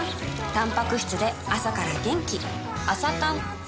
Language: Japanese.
たんぱく質で朝から元気